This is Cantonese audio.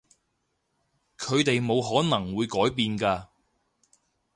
佢哋冇可能會改變㗎